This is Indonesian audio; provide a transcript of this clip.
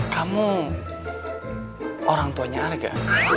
kamu orang tuanya arga